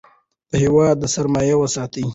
د هیواد سرمایه وساتئ.